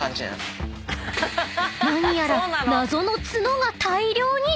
［何やら謎の角が大量に］